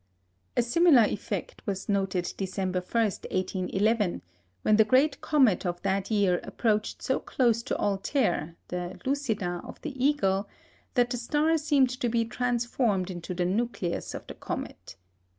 A similar effect was noted December 1, 1811, when the great comet of that year approached so close to Altair, the lucida of the Eagle, that the star seemed to be transformed into the nucleus of the comet.